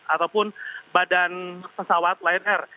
ataupun badan pesawat lion air